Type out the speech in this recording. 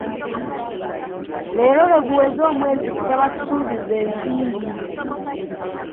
Leero lwe guweze omwezi bukya batusuubiza ensimbi.